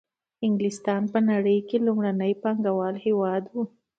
انګلستان په نړۍ کې لومړنی پانګوالي هېواد وو